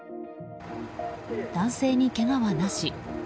男性に、けがはなし。